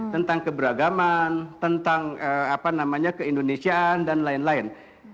tentang keberagaman tentang apa namanya keindonesiaan dan lain lain